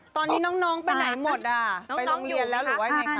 ตอนนี้น้องไปไหนหมดอ่ะไปโรงเรียนแล้วหรือว่ายังไงคะ